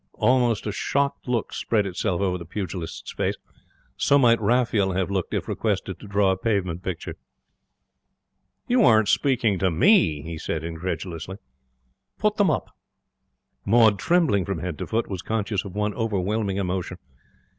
Almost a shocked look spread itself over the pugilist's face. So might Raphael have looked if requested to draw a pavement picture. 'You aren't speaking to ME?' he said, incredulously. 'Put them up!' Maud, trembling from head to foot, was conscious of one overwhelming emotion.